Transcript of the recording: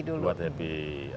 dibuat happy dulu